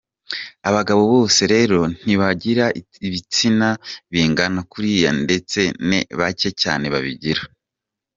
Abagabo bose rero ntibagira ibitsina bingana kuriya ndetse ni bake cyane babigira.